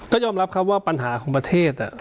ก็ยอมรับครับว่าปัญหาของประเทศ